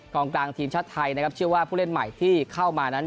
กลางทีมชาติไทยนะครับเชื่อว่าผู้เล่นใหม่ที่เข้ามานั้น